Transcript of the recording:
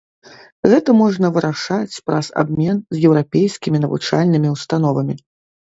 Гэта можна вырашаць праз абмен з еўрапейскімі навучальнымі ўстановамі.